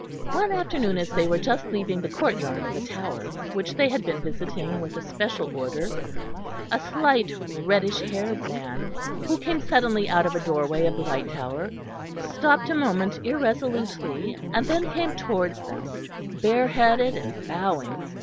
One afternoon as they were just leaving the courtyard of the Tower, which they had been visiting with a special order, a slight reddish haired man, who came suddenly out of a doorway of the White Tower, stopped a moment irresolutely, and then came towards them, bare headed and bowing.